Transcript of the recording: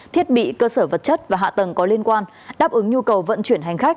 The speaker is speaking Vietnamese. thiết bị cơ sở vật chất và hạ tầng có liên quan đáp ứng nhu cầu vận chuyển hành khách